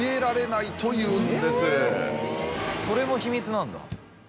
それも秘密なんだ。